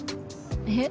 えっ？